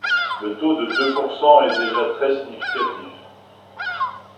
Le taux de deux pourcent est déjà très significatif.